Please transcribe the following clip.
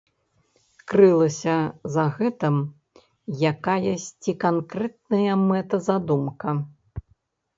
Крылася за гэтым якаясьці канкрэтная мэта-задумка.